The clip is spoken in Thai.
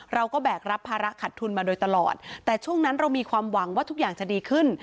แบกรับภาระขัดทุนมาโดยตลอดแต่ช่วงนั้นเรามีความหวังว่าทุกอย่างจะดีขึ้น